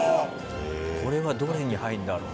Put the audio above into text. これはどれに入るんだろう。